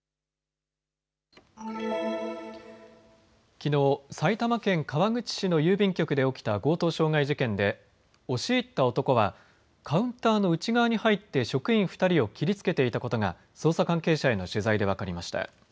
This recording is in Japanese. きのう埼玉県川口市の郵便局で起きた強盗傷害事件で押し入った男はカウンターの内側に入って職員２人を切りつけていたことが捜査関係者への取材で分かりました。